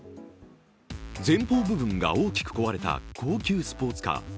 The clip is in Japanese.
前方部分が大きく壊れた高級スポーツカー。